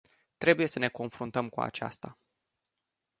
Trebuie să ne confruntăm cu aceasta.